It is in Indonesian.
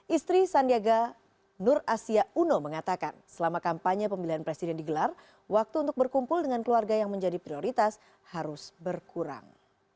istri sandiaga nur asia uno mengatakan selama kampanye pemilihan presiden digelar waktu untuk berkumpul dengan keluarga yang menjadi prioritas harus berkurang